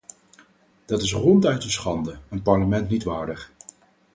Dat is ronduit een schande, een parlement niet waardig.